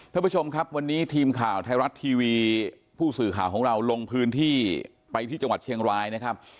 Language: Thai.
ท่านผู้ชมครับวันนี้ทีมข่าวไทยรัฐทีวีผู้สื่อข่าวของเราลงพื้นที่ไปที่จังหวัดเชียงรายนะครับ